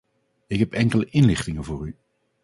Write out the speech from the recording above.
Ik heb enkele inlichtingen voor u.